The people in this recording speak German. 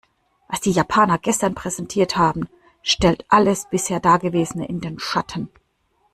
Was die Japaner gestern präsentiert haben, stellt alles bisher dagewesene in den Schatten.